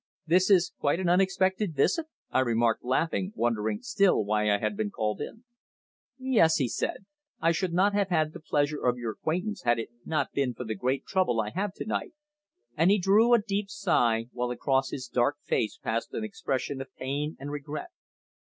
"This is quite an unexpected visit!" I remarked laughing, wondering still why I had been called in. "Yes," he said. "I should not have had the pleasure of your acquaintance had it not been for the great trouble I have to night," and he drew a deep sigh, while across his dark face passed an expression of pain and regret.